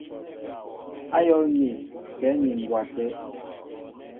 Ayól mi kɛ ni mbwa té.